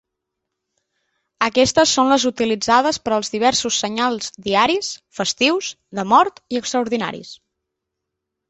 Aquestes són les utilitzades per als diversos senyals diaris, festius, de mort i extraordinaris.